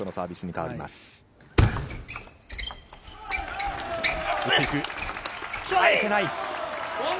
返せない。